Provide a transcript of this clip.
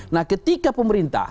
nah ketika pemerintah